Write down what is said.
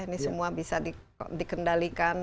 ini semua bisa dikendalikan